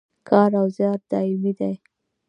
کار او زیار دایمي دی